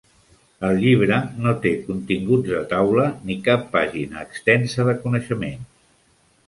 El llibre no té continguts de taula ni cap pàgina extensa de coneixements.